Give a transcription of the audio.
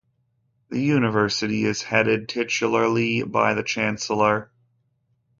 The university is headed, titularly, by the Chancellor.